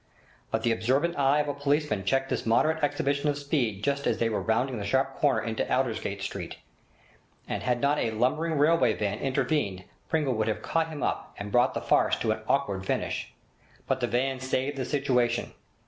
But the observant eye of a policeman checked this moderate exhibition of speed just as they were rounding the sharp corner into Aldersgate Street, and had not a lumbering railway van intervened Pringle would have caught him up and brought the farce to an awkward finish. But the van saved the situation.